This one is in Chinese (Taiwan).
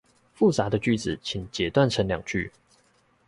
複雜的句子請截斷成兩句